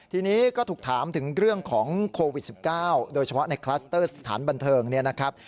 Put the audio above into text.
ทีนี้ก็ถูกถามถึงเรื่องของโควิด๑๙โดยเฉพาะในคลัสเตอร์สถานบันเทิงเนี่ยนะครับ